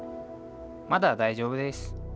「まだ大丈夫です」。